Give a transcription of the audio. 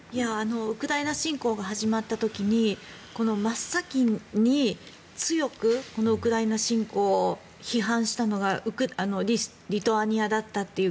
ウクライナ侵攻が始まった時に真っ先に強くウクライナ侵攻を批判したのがリトアニアだったという。